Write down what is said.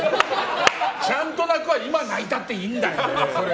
ちゃんと泣くは今泣いたっていいんだよ。